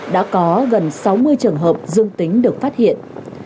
đã có gần sáu mươi trường hợp dương tính được phát hiện